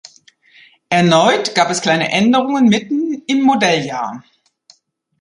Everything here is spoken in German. Erneut gab es kleine Änderungen mitten im Modelljahr.